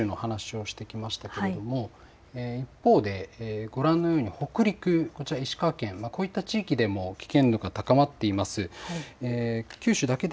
今、九州の話をしてきましたけれども一方で、ご覧のように北陸、こちら石川県こういった地域でも危険度が高まっています。